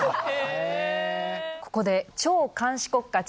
ここで超監視国家